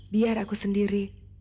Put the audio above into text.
biar aku sendiri